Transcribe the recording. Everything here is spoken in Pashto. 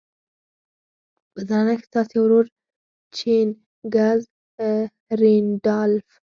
په درنښت ستاسې ورور جيننګز رينډالف.